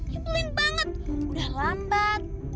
ya belin banget udah lambat